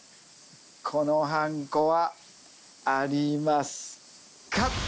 このはんこはありますか？